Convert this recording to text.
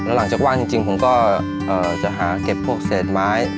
หลังจากว่างจริงผมก็จะหาเก็บพวกเศษไม้